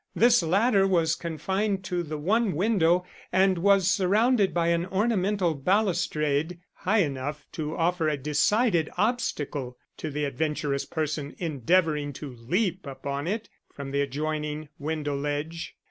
This latter was confined to the one window, and was surrounded by an ornamental balustrade, high enough to offer a decided obstacle to the adventurous person endeavoring to leap upon it from the adjoining window ledge.